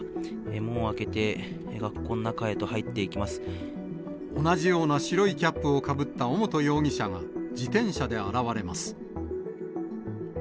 門を開けて、同じような白いキャップをかぶった尾本容疑者が、自転車で現れます。